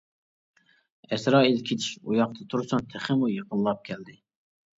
ئەزرائىل كېتىش ئۇياقتا تۇرسۇن، تېخىمۇ يېقىنلاپ كەلدى.